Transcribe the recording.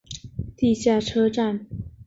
地下车站。